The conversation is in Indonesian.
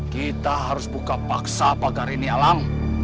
kita harus buka paksa pagar ini alam